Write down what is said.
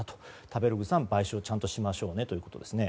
食べログさん、賠償をちゃんとしましょうねということです。